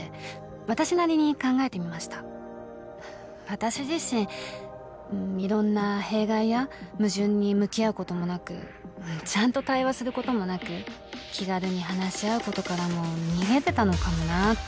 私自身いろんな弊害や矛盾に向き合うこともなくちゃんと対話することもなく気軽に話し合うことからも逃げてたのかもなって。